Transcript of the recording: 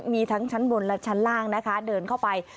มีทั้งชั้นบนและชั้นล่างนะคะเดินเข้าไป